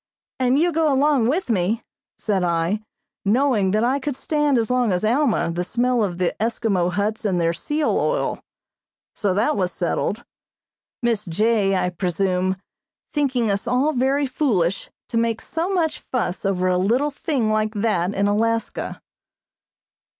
"And you go along with me," said I, knowing that I could stand as long as Alma the smell of the Eskimo huts and their seal oil. So that was settled, Miss J., I presume, thinking us all very foolish to make so much fuss over a little thing like that in Alaska.